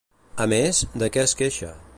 A més, de què es queixa?